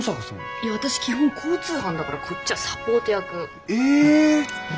いや私基本交通班だからこっちはサポート役。え！